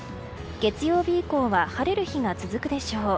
月曜日以降は晴れる日が続くでしょう。